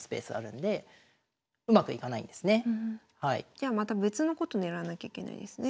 じゃあまた別のこと狙わなきゃいけないですね。